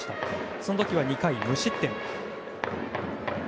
その時は２回無失点。